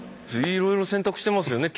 いろいろ選択してますよね。